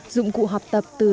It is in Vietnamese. dụng cụ học tập từ